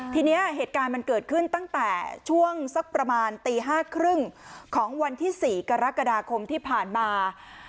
ทีนี้เหตุการณ์มันเกิดขึ้นตั้งแต่ช่วงสักประมาณตี๕๓๐ของวันที่๔กรกฎาคมที่ผ่านมา